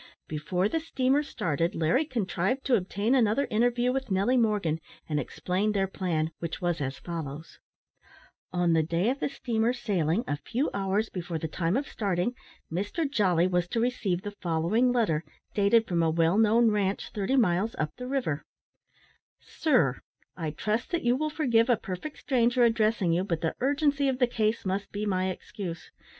Before the steamer started, Larry contrived to obtain another interview with Nelly Morgan, and explained their plan, which was as follows: On the day of the steamer sailing, a few hours before the time of starting, Mr Jolly was to receive the following letter, dated from a well known ranche, thirty miles up the river: "Sir, I trust that you will forgive a perfect stranger addressing you, but the urgency of the case must be my excuse.